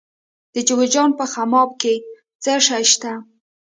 د جوزجان په خماب کې څه شی شته؟